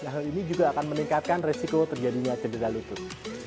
hal ini juga akan meningkatkan resiko terjadinya cedera lutut